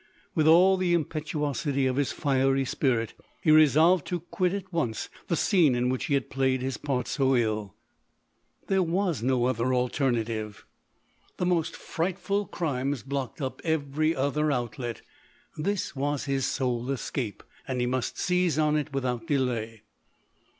With all the impetu osity of his fiery spirit, he resolved to quit at once the scene in which he had played his part so ill. There was no other alternative. The 1G8 LODORE. most frightful crimes blocked up every other outlet : this was his sole escape, and he must seize on it without delay.